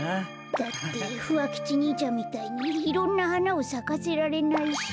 だってふわ吉にいちゃんみたいにいろんなはなをさかせられないし。